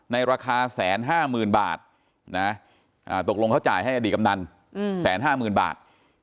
ในราคาแสนห้าหมื่นบาทตกลงเขาจ่ายให้อดีตกำนันแสนห้าหมื่นบาท